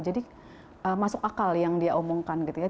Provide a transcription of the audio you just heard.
jadi masuk akal yang dia omongkan gitu ya